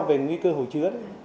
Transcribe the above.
về nguy cơ hồ chứa